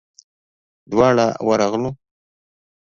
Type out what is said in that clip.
دواړه ورغلو.